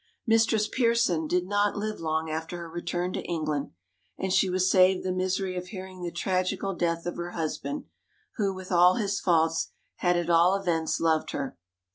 Mistress Pearson did not live long after her return to England, and she was saved the misery of hearing the tragical death of her husband, who, with all his faults, had at all events loved her.